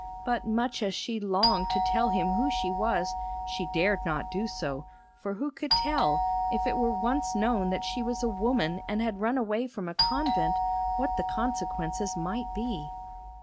But much as she longed to tell him who she was, she dared not do so, for who could tell, if it were once known that she was a woman and had run away from a convent, what the consequences might be?